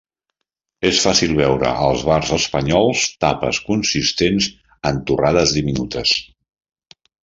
És fàcil veure als bars espanyols tapes consistents en torrades diminutes.